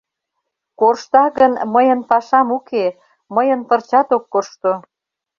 Коршта гын, мыйын пашам уке... мыйын пырчат ок коршто.